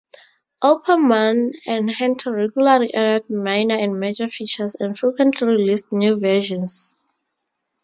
Oppermann and Henter regularly added minor and major features and frequently released new versions.